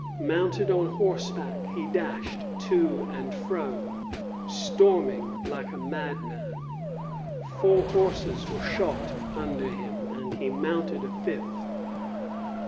Mounted on horseback, he dashed to and fro, storming like a madman. Four horses were shot under him, and he mounted a fifth.